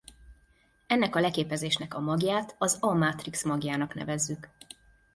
Ennek a leképezésnek a magját az A mátrix magjának nevezzük.